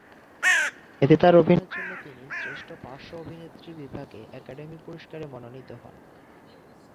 এতে তার অভিনয়ের জন্য তিনি শ্রেষ্ঠ পার্শ্ব অভিনেত্রী বিভাগে একাডেমি পুরস্কারে মনোনীত হন।